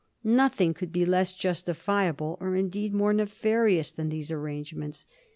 Nothing could be less justifiable, or indeed more nefarious, than these arrangements.